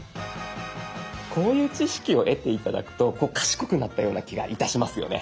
こういう知識を得て頂くと賢くなったような気がいたしますよね。